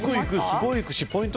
すごい、行きますしポイント